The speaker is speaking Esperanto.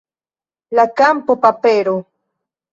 La kampo, papero